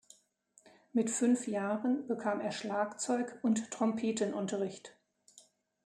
Mit fünf Jahren bekam er Schlagzeug- und Trompetenunterricht.